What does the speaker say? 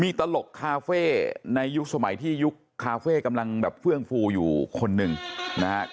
มีตลกคาเฟ่ในยุคสมัยที่ยุคคาเฟ่กำลังแบบเฟื่องฟูอยู่คนหนึ่งนะฮะ